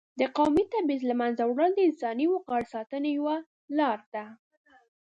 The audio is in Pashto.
د قومي تبعیض له منځه وړل د انساني وقار د ساتنې یوه لار ده.